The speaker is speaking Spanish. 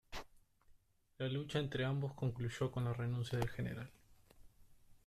La lucha entre ambos concluyó con la renuncia del general.